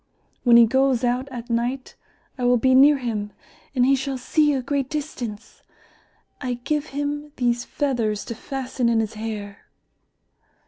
When he goes out at night I will be near him and he shall see a great distance. I give him these feathers to fasten in his hair."